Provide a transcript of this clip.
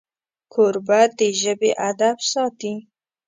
کوربه د ژبې ادب ساتي.